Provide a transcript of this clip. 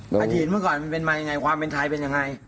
อดีตเมื่อก่อนมันเป็นมายังไงความเป็นไทยเป็นยังไง